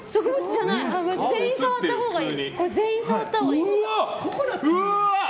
全員、触ったほうがいい。